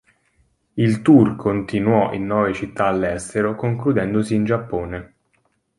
Il tour continuò in nove città all'estero, concludendosi in Giappone.